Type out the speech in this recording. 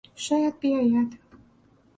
شاید بیاید.